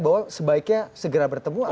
bahwa sebaiknya segera bertemu atau